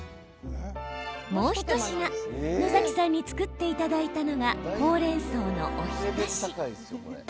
もう一品、野崎さんに作っていただいたのがほうれんそうのお浸し。